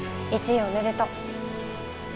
２位おめでとう。